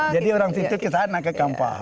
jadi orang situ ke sana ke kampar